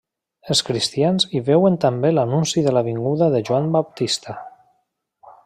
Els cristians hi veuen també l'anunci de la vinguda de Joan Baptista.